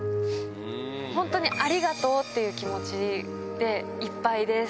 本当にありがとうっていう気持ちでいっぱいです。